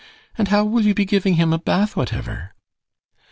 And how will you be giving him a bath whatever?"